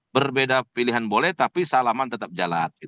berbeda pilihan boleh tapi salaman tetap jalan